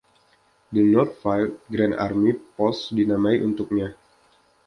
The Northfield Grand Army Post dinamai untuknya.